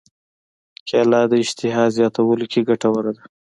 کېله د اشتها زیاتولو کې ګټوره ده.